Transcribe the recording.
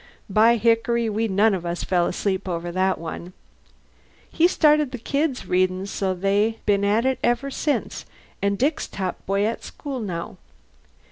By hickory, we none of us fell asleep over that. He started the kids readin' so they been at it ever since, and Dick's top boy at school now.